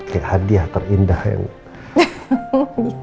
kayak hadiah terindah ya noh